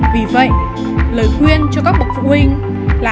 vì vậy lời khuyên cho các bộ phòng bệnh là